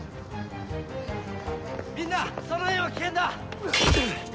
みんなその円は危険だ！